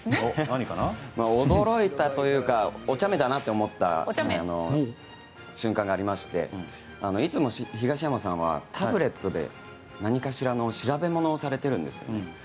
驚いたというかおちゃめだなと思った瞬間がありましていつも東山さんはタブレットで何かしら調べ物をされているんですね。